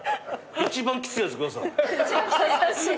一番きついやつ下さい。